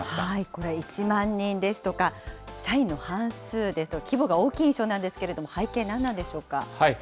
これ、１万人ですとか、社員の半数ですとか、規模が大きい印象なんですけれども、背景、何なんでしょうか。